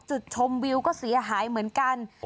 จุดชมวิวก็เสียหายเหมือนกัน